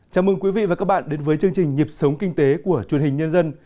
chào mừng quý vị và các bạn đến với chương trình nhịp sống kinh tế của truyền hình nhân dân